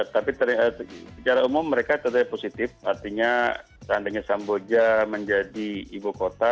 tapi secara umum mereka tetap positif artinya seandainya samboja menjadi ibu kota